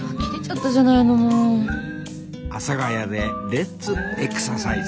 阿佐ヶ谷でレッツエクササイズ